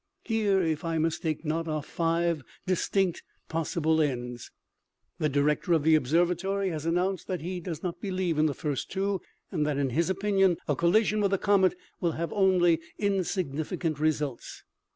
Here, if I mistake not, are five distinct possible ends. PERISHING FROM COLD. to6 OMEGA. " The director of the observatory has announced that he does not believe in the first two, and that in his opinion a collison with the comet will have only insignificant results.